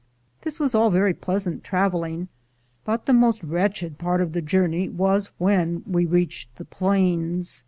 This was all very pleasant traveling, but the most wretched part of the journey was when we reached the plains.